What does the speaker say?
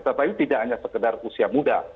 tapi ini tidak hanya sekedar usia muda